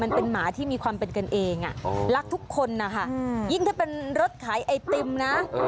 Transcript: หมาที่มีความเป็นกันเองรักทุกคนนะคะยิ่งถ้าเป็นรถขายไอติมนะ